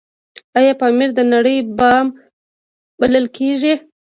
آیا پامیر د نړۍ بام بلل کیږي؟